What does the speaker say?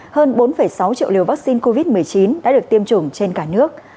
hơn bốn sáu triệu liều vaccine covid một mươi chín đã được tiêm chủng trên cả nước